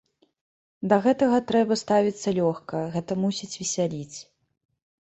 Да гэтага трэба ставіцца лёгка, гэта мусіць весяліць.